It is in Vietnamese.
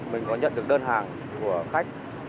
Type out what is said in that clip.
mình có nhận được đơn hàng của khách